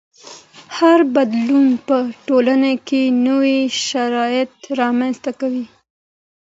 هر بدلون په ټولنه کې نوي شرایط رامنځته کوي.